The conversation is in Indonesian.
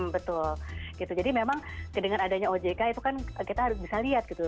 betul gitu jadi memang dengan adanya ojk itu kan kita harus bisa lihat gitu